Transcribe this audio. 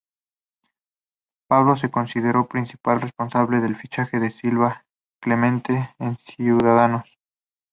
Pablo es considerado principal responsable del fichaje de Silvia Clemente en Ciudadanos.